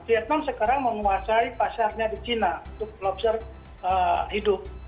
vietnam sekarang menguasai pasarnya di china untuk lobster hidup